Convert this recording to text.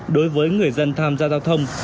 đối với người dân tham gia giao thông